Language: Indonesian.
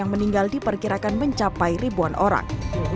yang meninggal diperkirakan mencapai ribuan orang